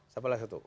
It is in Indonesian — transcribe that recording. siapa lagi satu